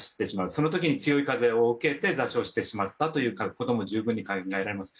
その時に、強い風を受けて座礁してしまったということも十分に考えられます。